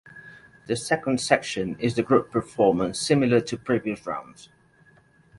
The second section is the group performance similar to previous rounds.